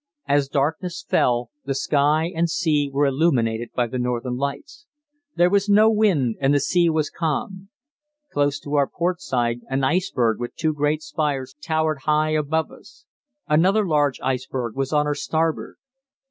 As darkness fell, the sky and sea were illuminated by the northern lights. There was no wind and the sea was calm. Close to our port side an iceberg with two great spires towered high above us; another large iceberg was on our starboard.